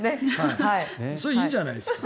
それでいいじゃないですか。